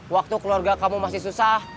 waktu keluarga kamu masih susah